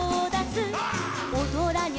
「おどらにゃ